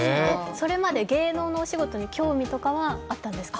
それまで芸能のお仕事に興味とかはあったんですか？